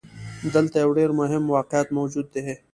دلته يو ډېر مهم واقعيت موجود دی.